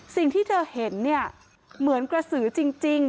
สิ่งที่เธอเห็นเนี่ยเหมือนกระสือจริง